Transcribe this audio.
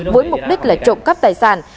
với mục đích là trộm cắp tài sản